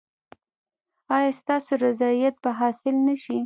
ایا ستاسو رضایت به حاصل نه شي؟